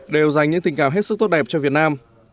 đều dành những tình cảm hết sức tốt đẹp cho việt nam